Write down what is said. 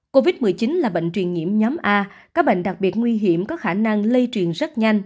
covid một mươi chín là bệnh truyền nhiễm nhóm a các bệnh đặc biệt nguy hiểm có khả năng lây truyền rất nhanh